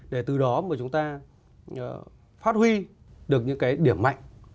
để từ đó mà chúng ta phát huy được những cái điểm mạnh